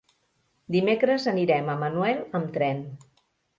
Dimecres anirem a Manuel amb tren.